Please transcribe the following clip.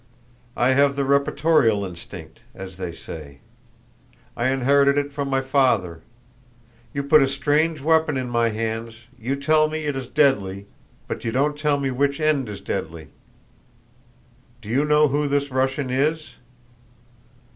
I have the reportorial instinct, as they say. I inherited it from my father. You put a strange weapon in my hands, you tell me it is deadly, but you don't tell me which end is deadly. Do you know who this Russian is?"